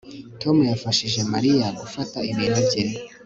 Tom yafashije Mariya gufata ibintu bye